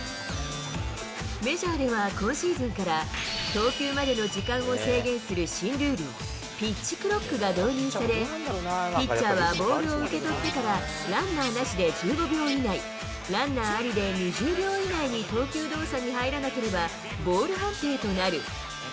メジャーでは今シーズンから、投球までの時間を制限する新ルール、ピッチクロックが導入され、ピッチャーはボールを受け取ってからランナーなしで１５秒以内、ランナーありで２０秒以内に投球動作に入らなければボール判定となる。